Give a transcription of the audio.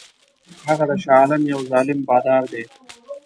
هغه د شاه عالم یو ظالم بادار دی.